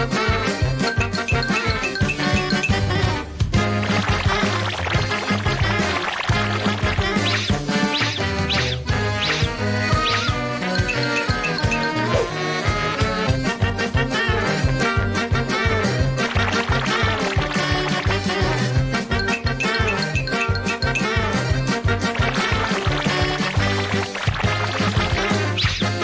สวัสดีครับสวัสดีครับ